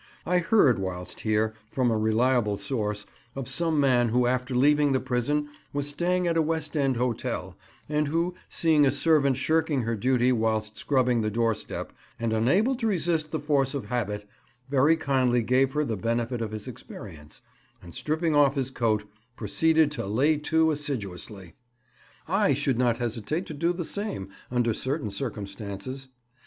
I heard whilst here, from a reliable source, of some man who after leaving the prison was staying at a West end hotel, and who, seeing a servant shirking her duty whilst scrubbing the doorstep, and unable to resist the force of habit, very kindly gave her the benefit of his experience, and stripping off his coat, proceeded to lay to assiduously. I should not hesitate to do the same under certain circumstances.